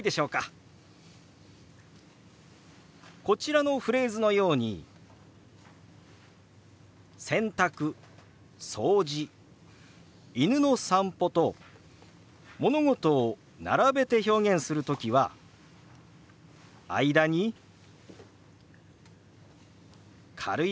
こちらのフレーズのように「洗濯」「掃除」「犬の散歩」と物事を並べて表現する時は間に軽いうなずきを入れます。